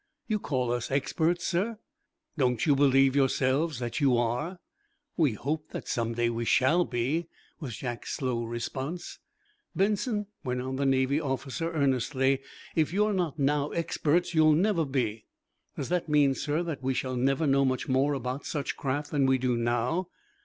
"You call us experts, sir?" "Don't you believe, yourselves, that you are?" "We hope that some day we shall be," was Jack's slow response. "Benson," went on the Navy officer, earnestly, "if you're not now experts, you never will be." "Does that mean, sir, that we shall never know much more about such craft than we do now?"